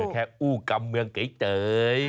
แค่อู้กำเมืองเก๋เตย